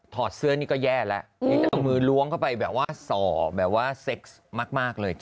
อดเสื้อนี่ก็แย่แล้วนี่จะเอามือล้วงเข้าไปแบบว่าส่อแบบว่าเซ็กซ์มากเลย